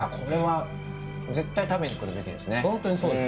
これは絶対食べに来るべきですね。